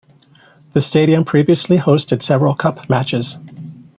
The stadium previously hosted several cup matches.